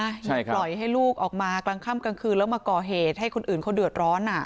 ใช่ปล่อยให้ลูกออกมากลางค่ำกลางคืนแล้วมาก่อเหตุให้คนอื่นเขาเดือดร้อนอ่ะ